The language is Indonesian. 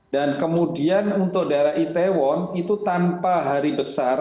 dan kemudian untuk daerah itaewon itu tanpa hari besar